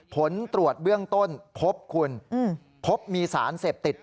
ผลตรวจเบื้องต้นพบคุณพบมีสารเสพติด